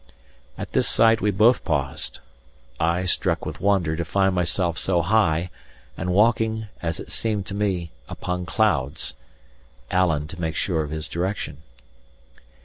At this sight we both paused: I struck with wonder to find myself so high and walking (as it seemed to me) upon clouds; Alan to make sure of his direction.